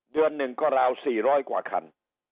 เดือน๑ก็ราว๔๐๐กว่าคัน